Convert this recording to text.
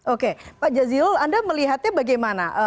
oke pak jazilul anda melihatnya bagaimana